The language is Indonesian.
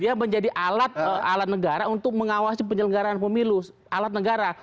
dia menjadi alat negara untuk mengawasi penyelenggaraan pemilu alat negara